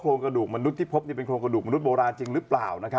กระดูกมนุษย์ที่พบเป็นโครงกระดูกมนุษยโบราณจริงหรือเปล่า